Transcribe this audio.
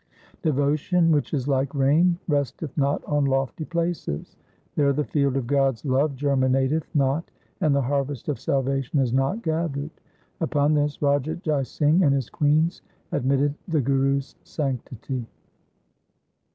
Devotion, which is like rain, resteth not on lofty places. There the field of God's love germinateth not, and the harvest of salvation is not gathered.' Upon this Raja Jai Singh and his queens admitted the Guru's sanctity.